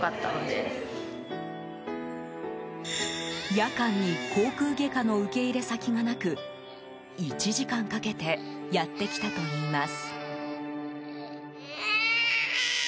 夜間に口腔外科の受け入れ先がなく１時間かけてやってきたといいます。